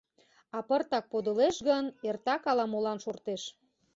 А пыртак подылеш гын, эртак ала-молан шортеш.